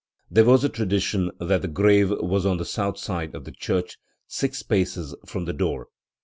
There was a tradition that the grave was on the south side of the church, six paces from the door.